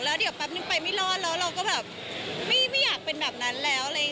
แล้วเดี๋ยวแป๊บนึงไปไม่รอดแล้วเราก็แบบไม่อยากเป็นแบบนั้นแล้วอะไรอย่างนี้